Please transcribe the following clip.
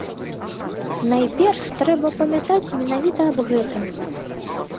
Найперш трэба памятаць менавіта аб гэтым.